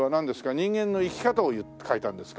人間の生き方を書いたんですか？